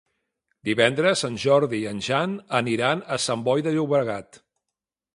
Divendres en Jordi i en Jan aniran a Sant Boi de Llobregat.